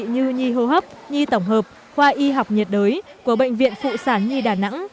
như nhi hô hấp nhi tổng hợp khoa y học nhiệt đới của bệnh viện phụ sản nhi đà nẵng